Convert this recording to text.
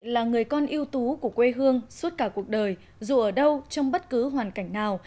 là người con yêu tú của quê hương suốt cả cuộc đời dù ở đâu trong bất cứ hoàn cảnh nào